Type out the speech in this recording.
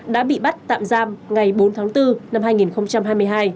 đã bị bắt tạm giam ngày bốn tháng bốn năm hai nghìn hai mươi hai